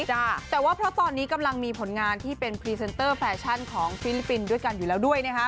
แต่ว่าเพราะตอนนี้กำลังมีผลงานที่เป็นพรีเซนเตอร์แฟชั่นของฟิลิปปินส์ด้วยกันอยู่แล้วด้วยนะคะ